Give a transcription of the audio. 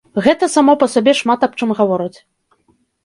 Гэта само па сабе шмат аб чым гаворыць.